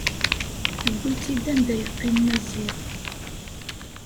Tewwi-tt-id anda yeqqim Maziɣ.